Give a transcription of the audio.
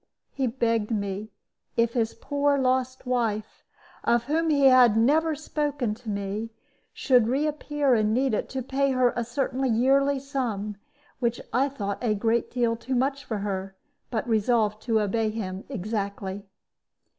He begged me, if his poor lost wife of whom he had never spoken to me should re appear and need it, to pay her a certain yearly sum, which I thought a great deal too much for her, but resolved to obey him exactly.